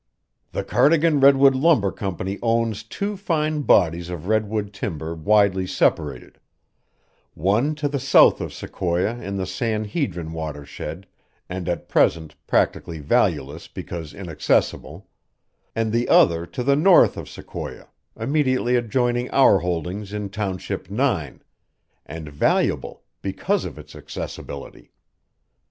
"The Cardigan Redwood Lumber Company owns two fine bodies of redwood timber widely separated one to the south of Sequoia in the San Hedrin watershed and at present practically valueless because inaccessible, and the other to the north of Sequoia, immediately adjoining our holdings in Township Nine and valuable because of its accessibility."